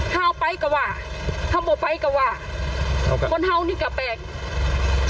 หาวไปกว่าหาวหมู่ไปกว่าคนหาวนี่ก็แปลก